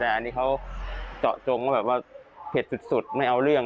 แต่อันนี้เขาเจาะจงว่าแบบว่าเผ็ดสุดไม่เอาเรื่อง